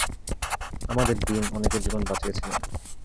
আমাদের ডিন অনেকের জীবন বাঁচিয়েছিলেন।